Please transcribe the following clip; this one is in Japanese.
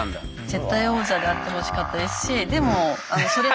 絶対王者であってほしかったですしでもそれなりに。